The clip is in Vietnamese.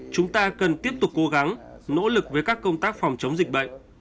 chúng ta cần tiếp tục cố gắng nỗ lực với các công tác phòng chống dịch bệnh